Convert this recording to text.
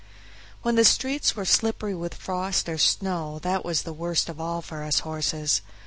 When the streets were slippery with frost or snow that was the worst of all for us horses.